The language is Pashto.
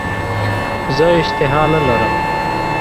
زه اشتها نه لرم .